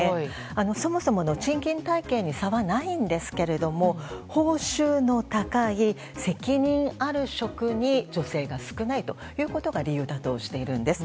そもそもの賃金体系に差はないんですが報酬の高い責任ある職に女性が少ないということが理由だとしているんです。